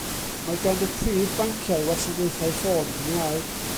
Mae gan y prif banciau wasanaethau ffôn Cymraeg.